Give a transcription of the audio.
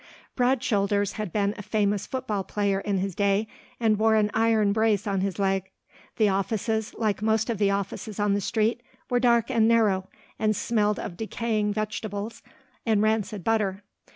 Broad shoulders had been a famous football player in his day and wore an iron brace on his leg. The offices, like most of the offices on the street, were dark and narrow, and smelled of decaying vegetables and rancid butter.